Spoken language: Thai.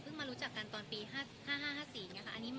เพิ่งมารู้จักกันตอนปีห้าห้าห้าห้าสี่อย่างเงี้ยค่ะ